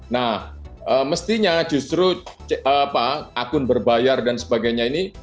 nah mestinya justru akun berbayar dan sebagainya ini